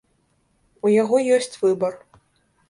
У яго ёсць выбар.